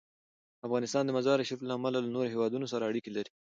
افغانستان د مزارشریف له امله له نورو هېوادونو سره اړیکې لري.